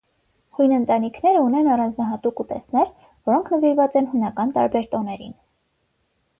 Հույն ընտանիքները ունեն առանձնահատուկ ուտեստներ, որոնք նվիրված են հունական տարբեր տոներին։